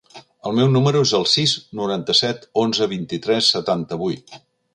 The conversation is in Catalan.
El meu número es el sis, noranta-set, onze, vint-i-tres, setanta-vuit.